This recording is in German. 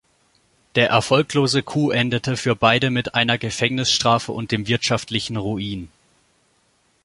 Der erfolglose Coup endete für beide mit einer Gefängnisstrafe und dem wirtschaftlichen Ruin.